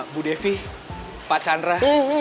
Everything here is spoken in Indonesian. bu devi pak chandra